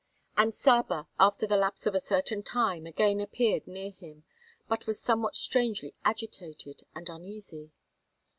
And Saba, after the lapse of a certain time, again appeared near him, but was somewhat strangely agitated and uneasy.